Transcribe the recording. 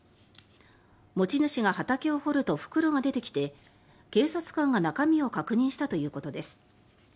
持ち主が畑を掘ると袋が出てきて警察官が中身を確認したということです。